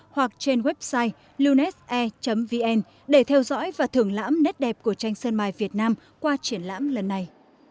hoặc trên website lunase vn để theo dõi và trưởng lãm nét đẹp của tranh sân mài việt nam qua triển lãm lần này